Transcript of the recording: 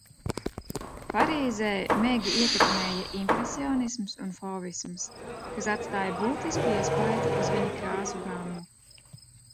Parīzē Megi ietekmēja impresionisms un fovisms, kas atstāja būtisku iespaidu uz viņa krāsu gammu.